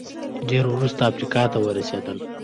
ډېر وروسته افریقا ته ورسېدل